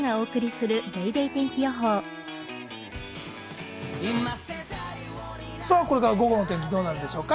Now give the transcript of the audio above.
続くこれから午後の天気、どうなるでしょうか？